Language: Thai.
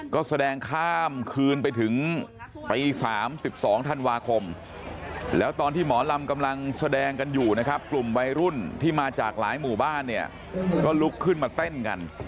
ก็แสดงข้ามคืนไปถึงตี๓๒ธันวาคมแล้วตอนที่หมอลำกำลังแสดงกันอยู่นะครับกลุ่มวัยรุ่นที่มาจากหลายหมู่บ้านเนี่ยก็ลุกขึ้นมาเต้นกัน